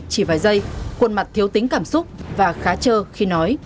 chỉ vài giây khuôn mặt thiếu tính cảm xúc và khá trơ khi nói